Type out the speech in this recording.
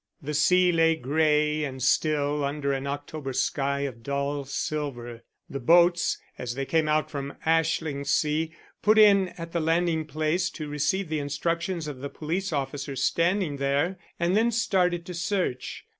The sea lay grey and still under an October sky of dull silver. The boats, as they came from Ashlingsea, put in at the landing place to receive the instructions of the police officers standing there, and then started to search.